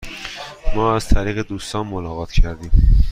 ما از طریق دوستان ملاقات کردیم.